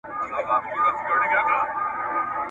ښځي کولای سي چي ښې ډاکټراني سي.